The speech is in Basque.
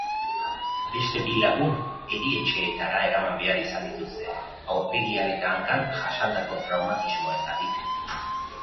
Beste bi lagun erietxeetara eraman behar izan dituzte aurpegian eta hankan jasandako traumatismoengatik.